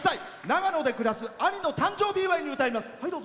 長野で暮らす兄の誕生日祝いに歌います。